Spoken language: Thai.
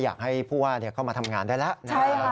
อยากให้ผู้ว่าเข้ามาทำงานได้แล้ว